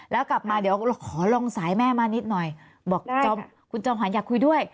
แล้วกลับมาเดี๋ยวขอลองสายแม่มานิดนึย